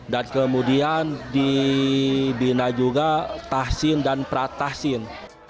dan kemudian dibina juga tahsin dan pratahsin